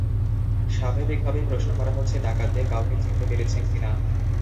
স্বাভাবিকভাবেই প্রশ্ন করা হচ্ছে, ডাকাতদের কাউকে চিনতে পেরেছেন কি না?